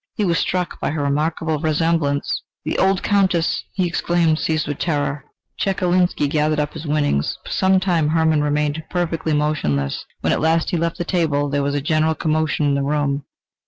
He was struck by her remarkable resemblance... "The old Countess!" he exclaimed, seized with terror. Chekalinsky gathered up his winnings. For some time, Hermann remained perfectly motionless. When at last he left the table, there was a general commotion in the room.